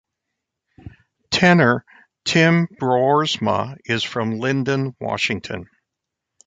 Tenor Tim Broersma is from Lynden, Washington.